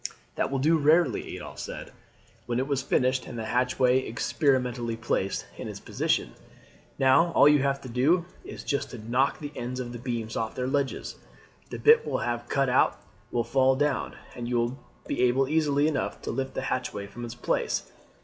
"That will do rarely," Adolphe said, when it was finished and the hatchway experimentally placed in its position. "Now, all you have to do is just to knock the ends of the beams off their ledges. The bit we have cut out will fall down, and you will be able easily enough to lift the hatchway from its place.